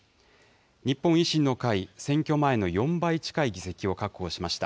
日本維新の会、選挙前の４倍近い議席を確保しました。